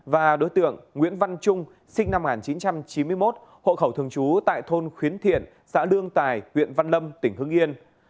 và đối tượng nguyễn văn trung sinh năm một nghìn chín trăm chín mươi một hộ khẩu thường trú tại thôn khuyến thiện xã lương tài huyện văn lâm tỉnh hưng yên